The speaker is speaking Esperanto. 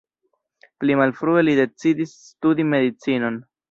Pli malfrue li decidis studi medicinon.